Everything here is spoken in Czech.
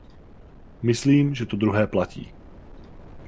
Myslím, že to druhé platí.